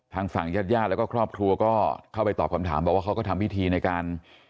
ทางฝั่งญาติญาติแล้วก็ครอบครัวก็เข้าไปตอบคำถามบอกว่าเขาก็ทำพิธีในการ